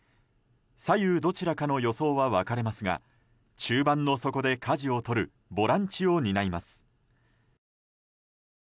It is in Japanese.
左右どちらかの予想は分かれますが中盤の底でかじを取るボランチを担います。